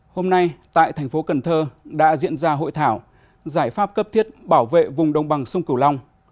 hôm nay tại thành phố cần thơ đã diễn ra hội thảo giải pháp cấp thiết bảo vệ vùng đồng bằng sông cửu long